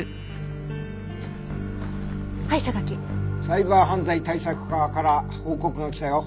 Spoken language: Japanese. サイバー犯罪対策課から報告が来たよ。